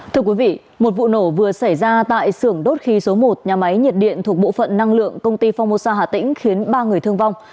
thưa quý vị một vụ nổ vừa xảy ra tại sưởng đốt khí số một nhà máy nhiệt điện thuộc bộ phận năng lượng công ty phongmosa hà tĩnh khiến ba người thương vong